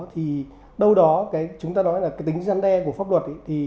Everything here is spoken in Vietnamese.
thì đâu đó cái chúng ta nói là cái tính giăn đe của pháp luật ấy